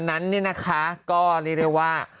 นั้นเนี่ยนะคะก็เรียกได้ว่า